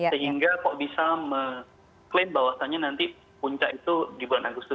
sehingga kok bisa mengklaim bahwasannya nanti puncak itu di bulan agustus